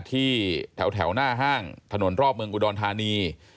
ที่แถวหน้าห้างถนนรอบเมืองอุดรธานี